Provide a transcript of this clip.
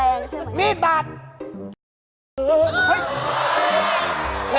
เยี้นเผ้า